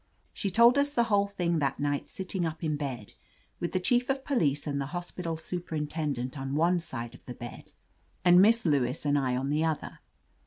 She told us the whole thing that night sitting up in bed, with the Chief of Police and the hospital superintendent on one side of the bed, and Miss Lewis and I on the other.